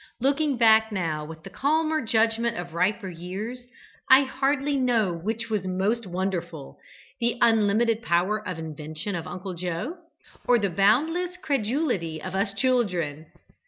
Looking back now, with the calmer judgment of riper years, I hardly know which was most wonderful, the unlimited power of invention of Uncle Joe, or the boundless credulity of us children.